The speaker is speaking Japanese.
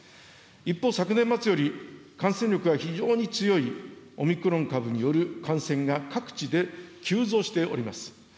一方、昨年末より感染力が非常に強いオミクロン株による感染が各地で急増しております。